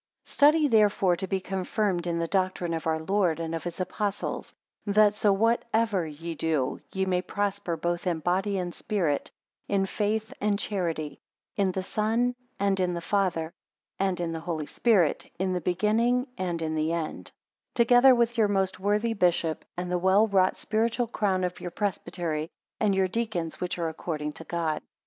4 Study therefore to be confirmed in the doctrine of our Lord, and of his Apostles; that so whatever ye do, ye may prosper both in body and spirit, in faith and charity, in the Son, and in the Father, and in the Holy Spirit; in the beginning, and in the end: 5 Together with your most worthy bishop, and the well wrought spiritual crown of your presbytery, and your deacons, which are according to God.